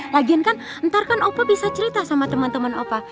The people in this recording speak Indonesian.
lagian kan ntar kan opa bisa cerita sama teman teman opa